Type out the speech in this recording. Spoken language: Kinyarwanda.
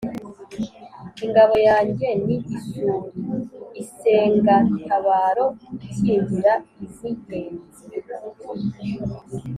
Ingabo yanjye ni isuli, isengatabaro ikingira iz’inkenzi,